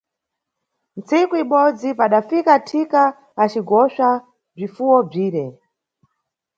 Ntsiku ibodzi, padafika thika acigosva bzifuwo bzire.